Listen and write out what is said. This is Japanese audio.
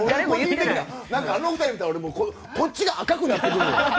あの２人って言うたらこっちが赤くなってくるわ。